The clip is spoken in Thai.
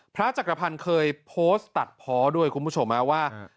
พระจักรพันธ์เคยโพสต์ตัดเพาะด้วยคุณผู้ชมว่า